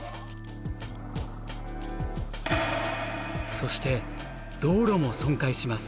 そして道路も損壊します。